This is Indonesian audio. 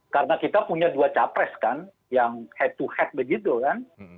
karena kita punya dua capres kan yang head to head begitu kan